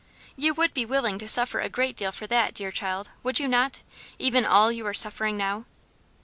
You would be willing to suffer a great deal for that, dear child, would you not? even all you are suffering now?"